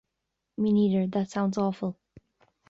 Me neither, that sounds awful.